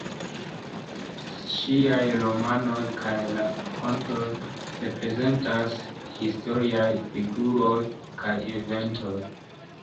Ŝiaj romanoj kaj rakontoj reprezentas historiaj figuroj kaj eventoj.